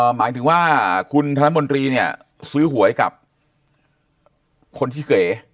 หมายถึงว่าคุณธนมนตรีเนี่ยซื้อหวยกับคนที่เก๋